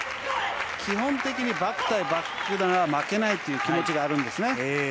基本的にバック対バックなら負けないという気持ちがあるんですね。